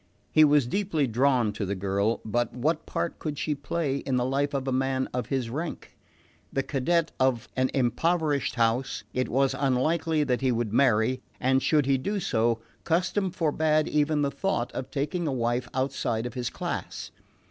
He was deeply drawn to the girl; but what part could she play in the life of a man of his rank? The cadet of an impoverished house, it was unlikely that he would marry; and should he do so, custom forbade even the thought of taking a wife outside of his class.